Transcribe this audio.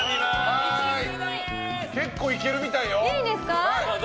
結構いけるみたいよ。